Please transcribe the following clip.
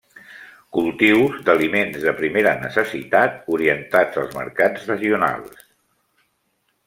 Cultius d’aliments de primera necessitat orientats als mercats regional.